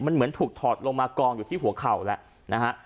มันเหมือนถูกถอดลงมากองอยู่ที่หัวเข่าแล้วนะฮะ